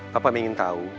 papa ingin tahu